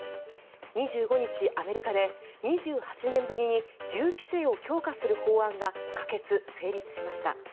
２５日、アメリカで２８年ぶりに銃規制を強化する法案が可決・成立しました。